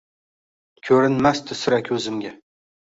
Ko’rinmasdi sira ko’zimga